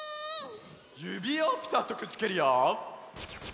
ゆびをぴたっとくっつけるよ！